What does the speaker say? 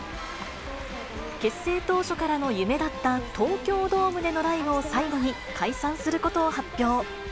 結成当初からの夢だった東京ドームでのライブを最後に、解散することを発表。